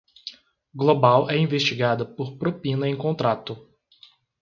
Global é investigada por propina em contrato